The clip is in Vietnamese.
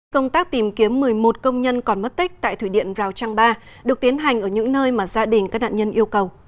công tác tìm kiếm một mươi một công nhân còn mất tích tại thủy điện rào trăng ba được tiến hành ở những nơi mà gia đình các nạn nhân yêu cầu